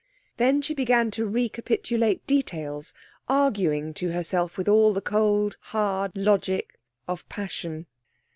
Then she began to recapitulate details, arguing to herself with all the cold, hard logic of passion.